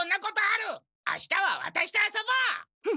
あしたはワタシと遊ぼう！